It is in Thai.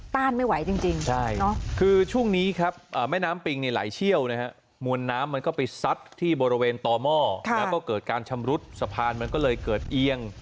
ต้านไม่ไหวจริงใช่ครับคือช่วงนี้ครับแม่น้ำปิงเนี่ย